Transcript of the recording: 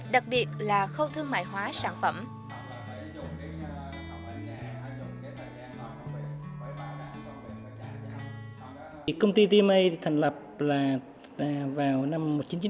đặc biệt là khâu thương mại hóa sản phẩm